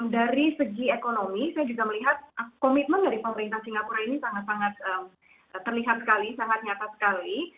dari segi ekonomi saya juga melihat komitmen dari pemerintah singapura ini sangat sangat terlihat sekali sangat nyata sekali